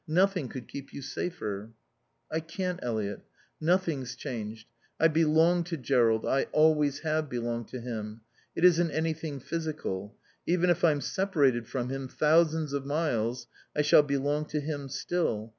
Nothing could keep you safer." "I can't, Eliot. Nothing's changed. I belong to Jerrold. I always have belonged to him. It isn't anything physical. Even if I'm separated from him, thousands of miles, I shall belong to him still.